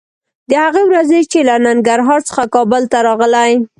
د هغې ورځې چې له ننګرهار څخه کابل ته راغلې